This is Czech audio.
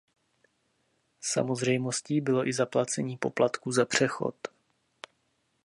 Samozřejmostí bylo i zaplacení poplatku za přechod.